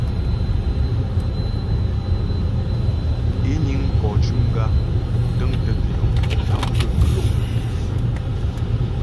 É niŋ mkɔ cʉm gǎ, dəŋtə pǐnɔm, tâm gaə́ khə̌mmm.